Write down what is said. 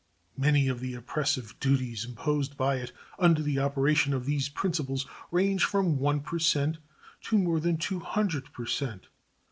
Many of the oppressive duties imposed by it under the operation of these principles range from 1 per cent to more than 200 per cent.